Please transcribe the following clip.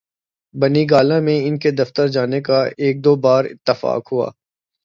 بنی گالہ میں ان کے دفتر جانے کا ایک دو بار اتفاق ہوا۔